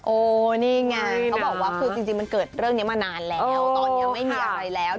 โอ้นี่ไงเขาบอกว่าคือจริงมันเกิดเรื่องนี้มานานแล้วตอนนี้ไม่มีอะไรแล้ว